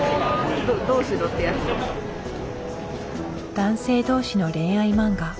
男性同士の恋愛漫画。